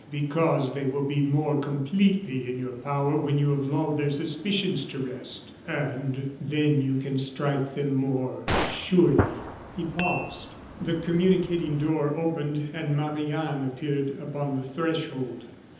Because they will be more completely in your power when you have lulled their suspicions to rest, and then you can strike them more surely " He paused; the communicating door opened, and Marie Anne appeared upon the threshold.